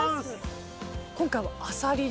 今回はあさり。